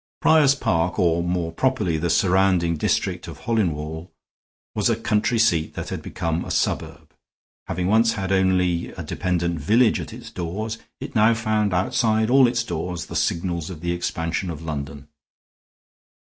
Prior's Park, or, more properly, the surrounding district of Holinwall, was a country seat that had become a suburb; having once had only a dependent village at its doors, it now found outside all its doors the signals of the expansion of London.